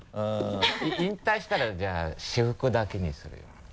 引退したらじゃあ私服だけにするよ。